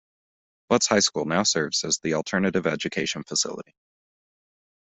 Butz High School now serves as the alternative education facility.